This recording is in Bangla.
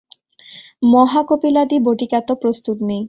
মহাকপিলাদি বটিকাতো প্রস্তুত নেই।